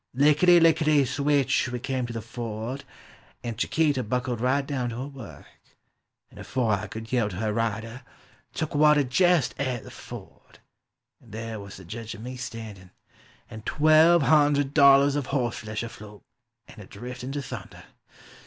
Lickity, lickity, switch, we came to the ford, and Chiquita Buckled right down to her work, and afore I could veil to her rider, Took water jest at the ford, and there was the Jedge and me standing, And twelve hundred dollars of hoss flesh afloat, and a driftin' to thunder!